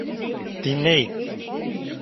Dinleyin!